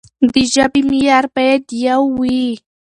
د ژبې معيار بايد يو وي.